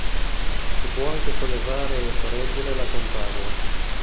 Si può anche sollevare e sorreggere la compagna.